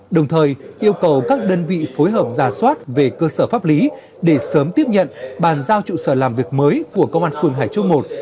đồng thời yêu cầu các đơn vị phối hợp giả soát về cơ sở pháp lý để sớm tiếp nhận bàn giao trụ sở làm việc mới của công an phường hải châu i